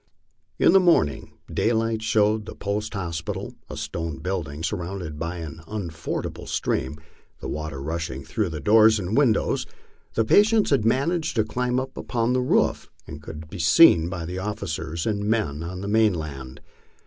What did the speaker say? In the morning, daylight showed the post hospital, a stone building, sur rounded by an unfordable stream, the water rushing through the doors and windows. The patients had managed to climb upon the roof, and could be seen by the officers and men on the mainland.